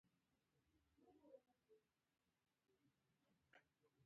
دې پسې ټونګ ټونګ ټونګ شو.